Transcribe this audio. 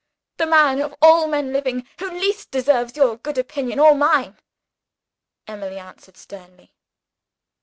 "The man of all men living who least deserves your good opinion or mine," Emily answered sternly.